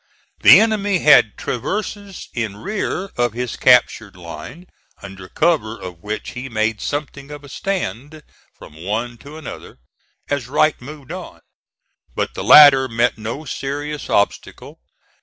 The enemy had traverses in rear of his captured line, under cover of which he made something of a stand, from one to another, as Wright moved on; but the latter met no serious obstacle.